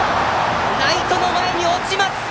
ライト前に落ちました！